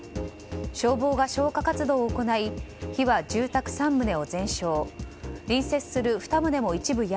消防が消火活動を行い火は住宅３棟を全焼。